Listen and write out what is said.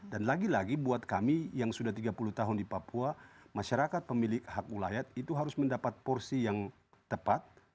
dan lagi lagi buat kami yang sudah tiga puluh tahun di papua masyarakat pemilik hak wilayah itu harus mendapat porsi yang tepat